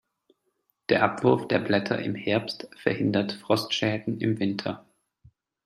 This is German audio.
Der Abwurf der Blätter im Herbst verhindert Frostschäden im Winter.